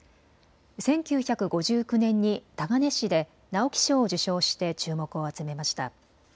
１９５９年に鏨師で直木賞を受賞して注目を集めました。